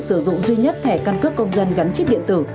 chỉ cần sử dụng duy nhất thẻ căn cước công dân gắn chip điện tử